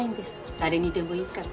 誰にでもいいから。